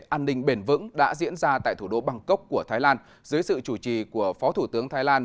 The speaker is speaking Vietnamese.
an ninh bền vững đã diễn ra tại thủ đô bangkok của thái lan dưới sự chủ trì của phó thủ tướng thái lan